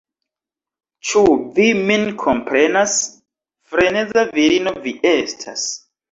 Ĉu vi min komprenas? Freneza virino vi estas